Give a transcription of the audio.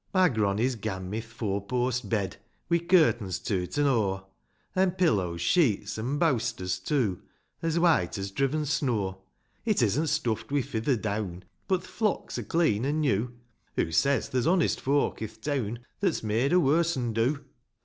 VII. My gronny's gan me th' four post bed, Wi' curtains to 't an' o'; An' pillows, sheets, an' bowsters, too, As white as driven snow ; It isn't stuffed wi' fither deawn ;* But th' flocks are clen an' new; Hoo says there's honest folk i'th teav/n That's made a warse un^ do.